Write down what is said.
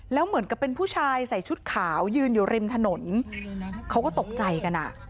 แล้วเหมือนกับเป็นผู้ชายใส่ชุดขาวยืนอยู่ริมถนนเขาก็ตกใจกันอ่ะ